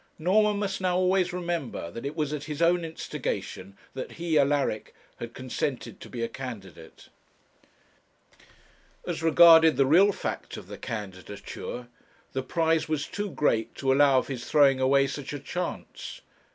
Norman must now always remember that it was at his own instigation that he, Alaric, had consented to be a candidate. As regarded the real fact of the candidature, the prize was too great to allow of his throwing away such a chance.